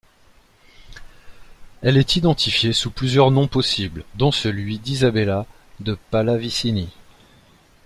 Elle est identifiée sous plusieurs noms possibles, dont celui d'Isabella de Pallavicini.